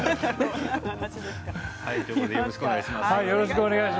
よろしくお願いします。